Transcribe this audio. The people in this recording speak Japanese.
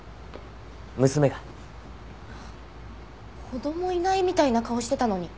子供いないみたいな顔してたのに。